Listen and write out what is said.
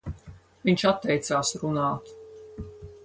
Viņš atteicās runāt.